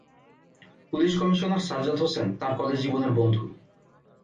Police commissioner Sajjad Hossain তাঁর college জীবনের বন্ধু।